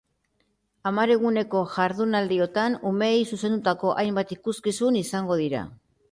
Hamar eguneko jardunaldiotan, umeei zuzendutako hainbat ikuskizun izango dira.